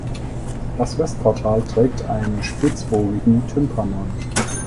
Das Westportal trägt einen spitzbogigen Tympanon.